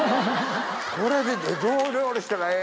これで。